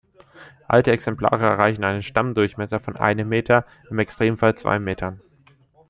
Alte Exemplare erreichen einen Stammdurchmesser von einem Meter, im Extremfall zwei Metern.